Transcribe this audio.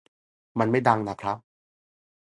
มันไม่ดังน่ะครับ